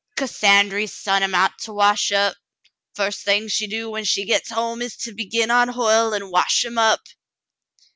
" Cassandry sont him out to wash up. F'ust thing she do when she gets home is to begin on Hoyle and wash him up."